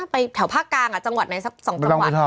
แถวภาคกลางจังหวัดไหนสัก๒จังหวัด